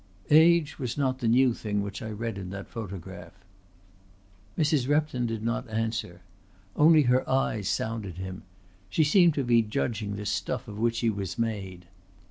"Age was not the new thing which I read in that photograph." Mrs. Repton did not answer. Only her eyes sounded him. She seemed to be judging the stuff of which he was made.